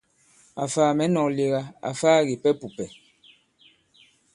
Àfaa mɛ̌ nɔ̄k lega, àfaa kìpɛ pùpɛ̀.